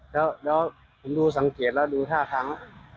แล้วผมดูสังเกตแล้วดู๕ครั้ง